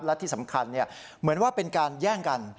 และที่สำคัญเหมือนว่าเป็นการแย่งกัน